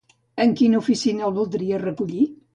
En quina oficina el voldries recollir?